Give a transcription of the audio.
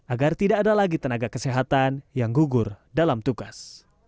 agar tidak ada lagi tenaga kesehatan yang gugur dalam tugas